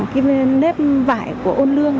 cái nếp vải của ôn lương